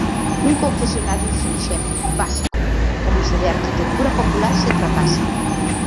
Un confesionario sinxelo, básico, como se de arquitectura popular se tratase.